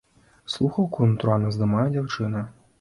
Слухаўку, натуральна, здымае дзяўчына.